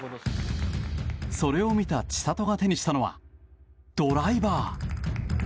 それを見た千怜が手にしたのはドライバー。